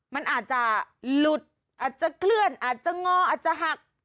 มันอาจจะหลุดอาจจะเคลื่อนอาจจะงออาจจะหัก